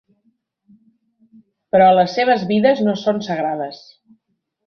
Però les seves vides no són sagrades.